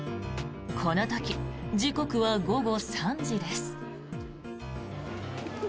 この時、時刻は午後３時です。